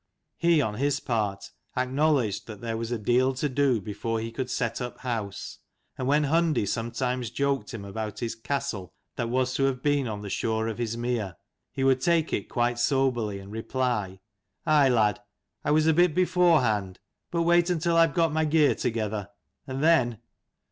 He on his part acknow ledged that there was a deal to do before he could set up house: and when Hundi sometimes joked him about his castle that was to have been on the shore of his mere, he would take it quite soberly, and reply, "Aye lad, I was a bit before hand: but wait until I have got my gear together, and then."